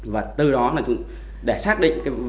và từ đó để xác định